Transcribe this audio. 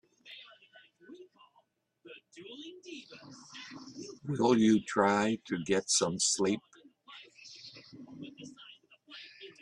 Will you try to get some sleep?